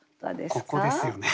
ここですよね。